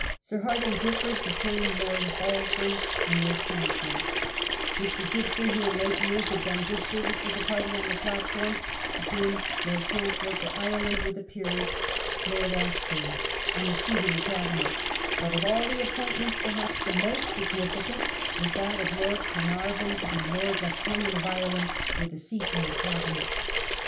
Sir Hai dinge Giffiard became Lord Halsbury and Lord Chancellor ; Mr. Gibson who in late years had done good service to the Party on the platform, became Lord Chancellor for Ireland with a peerage (Lord Ashbourne) and a seat in the Cabinet; but of all the appointments perhaps the most significant was that of Lord Carnarvon to be Lord Lieutenant of Ireland, with a seat in the Cabinet.